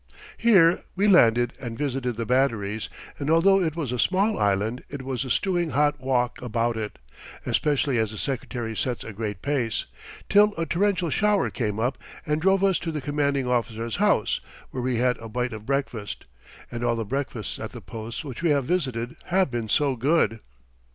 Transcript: Here we landed and visited the batteries, and although it was a small island it was a stewing hot walk about it especially as the Secretary sets a great pace till a torrential shower came up and drove us to the commanding officer's house, where we had a bite of breakfast and all the breakfasts at the posts which we have visited have been so good!